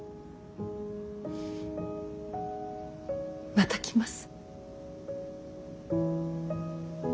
また来ます。